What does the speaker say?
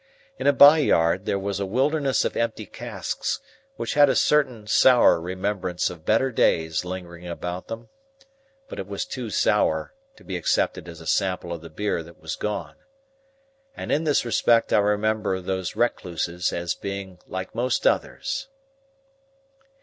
In a by yard, there was a wilderness of empty casks, which had a certain sour remembrance of better days lingering about them; but it was too sour to be accepted as a sample of the beer that was gone,—and in this respect I remember those recluses as being like most others.